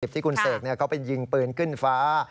ที่คุณเสกเขาไปยิงปืนขึ้นฟ้า